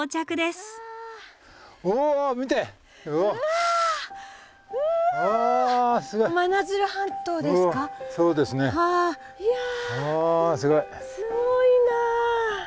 すごいな。